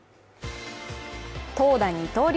投打二刀流